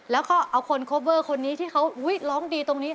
แล้วก็เอาคนโคเวอร์คนนี้ที่เขาร้องดีตรงนี้